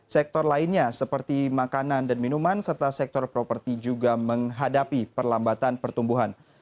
sektor lainnya seperti makanan dan minuman serta sektor properti juga menghadapi perlambatan pertumbuhan